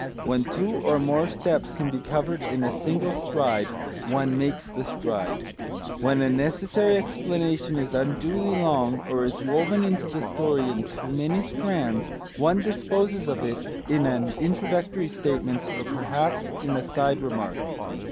When two or more steps can be covered in a single stride, one makes the stride. When a necessary explanation is unduly long, or is woven into the story in too many strands, one disposes of it in an introductory statement, or perhaps in a side remark.